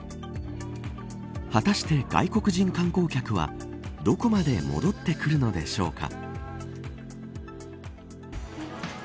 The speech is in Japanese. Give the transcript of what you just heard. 果たして外国人観光客はどこまで戻ってくるのでしょうか。